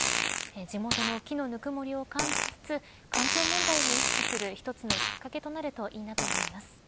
地元の木のぬくもりを感じつつ環境問題を意識する一つのきっかけとなるといいなと思います。